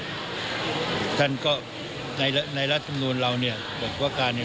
ท่านก็ในในรัฐธรรมนูลเราเนี่ยบอกว่าการเนี่ย